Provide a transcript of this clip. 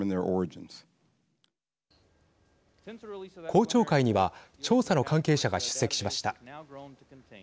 公聴会には調査の関係者が出席しました。